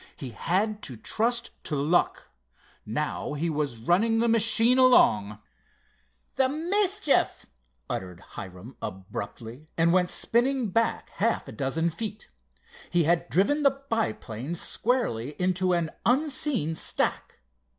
He had to trust to luck. Now he was running the machine along. "The mischief!" uttered Hiram abruptly, and went spinning back half a dozen feet. He had driven the biplane squarely into an unseen stack.